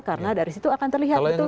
karena dari situ akan terlihat